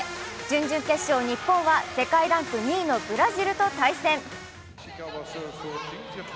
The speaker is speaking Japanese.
準々決勝、日本は世界ランク２位のブラジルと対戦。